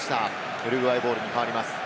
ウルグアイボールに変わります。